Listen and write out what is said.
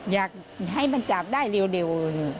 อยากให้มันจับได้เร็ว